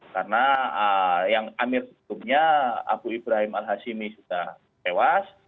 karena yang amir sebetulnya abu ibrahim al hassimi sudah tewas